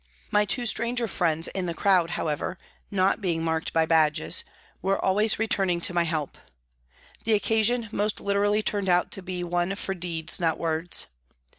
My two stranger friends in the crowd, however, not being marked by badges were always returning to my help. The occasion most literally turned out to be one for " deeds, not words."